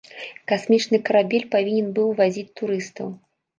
Касмічны карабель павінен быў вазіць турыстаў.